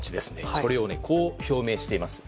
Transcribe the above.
これをこう表明しています。